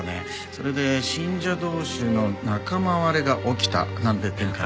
それで信者同士の仲間割れが起きたなんて展開も。